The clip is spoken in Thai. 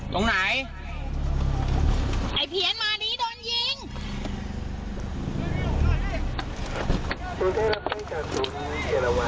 ตรงไหนเลี่ยงเพื่อนครับ